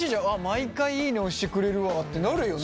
毎回いいね押してくれるわってなるよね？